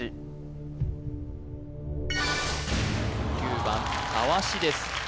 ９番たわしです